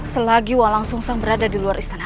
selagi walang sungseng berada di luar istana